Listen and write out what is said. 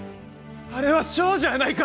あれは少女やないか！